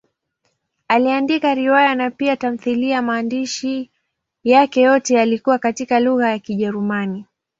Aliandika riwaya na pia tamthiliya; maandishi yake yote yalikuwa katika lugha ya Kijerumani.